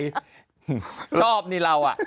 ชอบนี่เรา